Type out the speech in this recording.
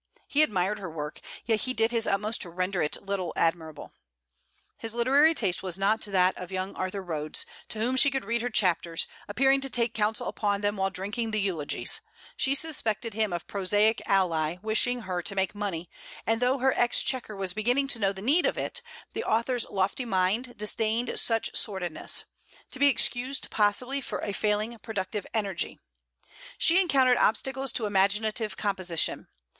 He admired her work, yet he did his utmost to render it little admirable. His literary taste was not that of young Arthur Rhodes, to whom she could read her chapters, appearing to take counsel upon them while drinking the eulogies: she suspected him of prosaic ally wishing her to make money, and though her exchequer was beginning to know the need of it, the author's lofty mind disdained such sordidness: to be excused, possibly, for a failing productive energy. She encountered obstacles to imaginative composition.